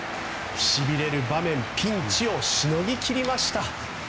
しびれる場面ピンチをしのぎ切りました。